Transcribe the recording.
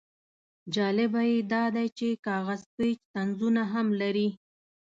جالبه یې دا دی چې کاغذ پیچ طنزونه هم لري.